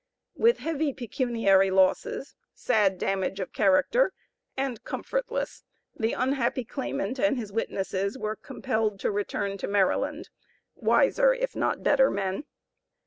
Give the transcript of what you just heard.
With heavy pecuniary losses, sad damage of character, and comfortless, the unhappy claimant and his witnesses were compelled to return to Maryland, wiser if not better men.